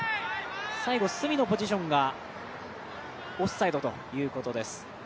角のポジションがオフサイドということです。